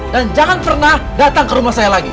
dan jangan pernah datang ke rumah saya lagi